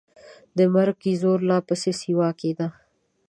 د مرګي زور لا پسې سیوا کېده.